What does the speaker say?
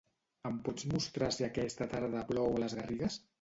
Em pots mostrar si aquesta tarda plou a les Garrigues?